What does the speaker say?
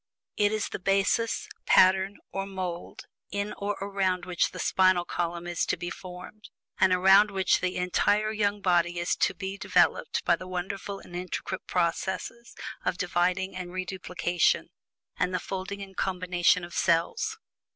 It is the basis, pattern, or mould, in or around which the spinal column is to be formed, and around which the entire young body is to be developed by the wonderful and intricate processes of dividing and reduplication, and the folding and combination of cells.